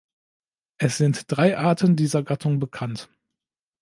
Es sind drei Arten dieser Gattung bekannt.